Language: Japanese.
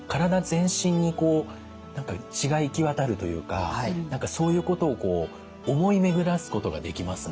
全身にこう血が行き渡るというか何かそういうことをこう思い巡らすことができますね。